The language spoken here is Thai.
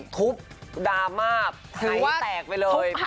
ทุบดราม็บหายแตกไปเลย